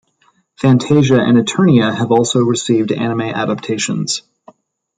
"Phantasia" and "Eternia" have also received anime adaptations.